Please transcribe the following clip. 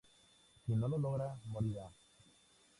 Si no lo logra, morirá.